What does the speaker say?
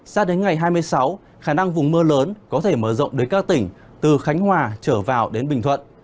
sao đến ngày hai mươi sáu khả năng vùng mưa lớn có thể mở rộng đến các tỉnh từ khánh hòa trở vào đến bình thuận